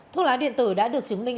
thuốc lá điện tử đã được chứng minh